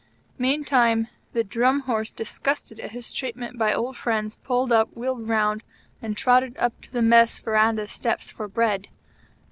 Meantime, the Drum Horse, disgusted at his treatment by old friends, pulled up, wheeled round, and trotted up to the Mess verandah steps for bread.